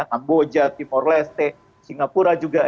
kamboja timor leste singapura juga